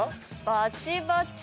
「バチバチ」